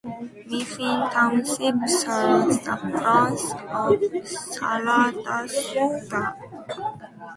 Mifflin Township surrounds the borough of Salladasburg.